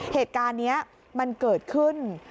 เหตุการณ์นี้มันเกิดขึ้น